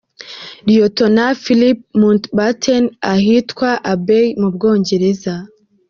Lieutenant Philip Mountbatten ahitwa Abbey mu Bwongereza.